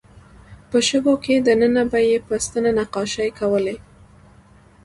په شګو کې دننه به یې په ستنه نقاشۍ کولې.